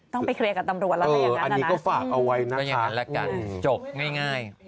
ต้องไปเคลียร์กับตำรวจแล้วตัวอย่างนั้นนะนะตัวอย่างนั้นละกันจบง่าย